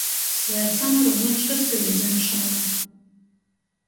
Sveicam ar unučkys pīdzimšonu!